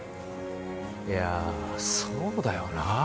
いやそうだよな